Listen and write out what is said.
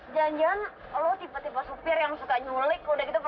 jangan jangan lo tiba tiba sopir yang suka nyulik kok udah gitu perkosaan cewek cewek diangkut